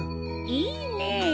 いいねえ。